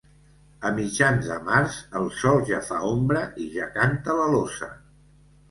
A mitjans de març el sol ja fa ombra i ja canta l'alosa.